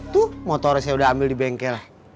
tuh motornya saya udah ambil di bengkel